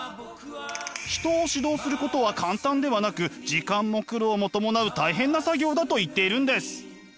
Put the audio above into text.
人を指導することは簡単ではなく時間も苦労もともなう大変な作業だと言っているんです。